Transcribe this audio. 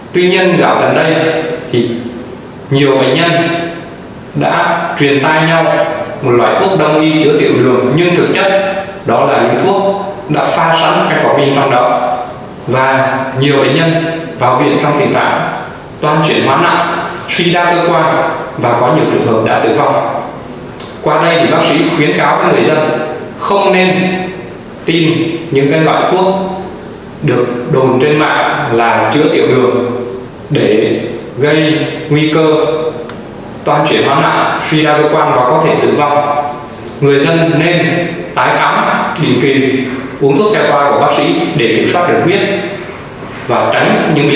tuy nhiên dạo gần đây nhiều bệnh nhân đã truyền tai nhau một loại thuốc đồng ý chữa tiểu đường nhưng thực chất đó là những thuốc đã pha sẵn phen phọc minh toàn độc và nhiều bệnh nhân vào viện trong tình trạng